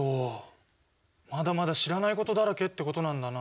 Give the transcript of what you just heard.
まだまだ知らないことだらけってことなんだなぁ。